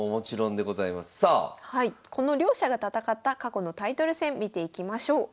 この両者が戦った過去のタイトル戦見ていきましょう。